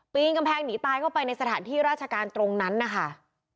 กำแพงกำแพงหนีตายเข้าไปในสถานที่ราชการตรงนั้นนะคะ